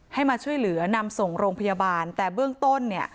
ให้มาช่วยเหลือนำส่งโรงพยาบาลแต่เบื้องต้นเนี่ย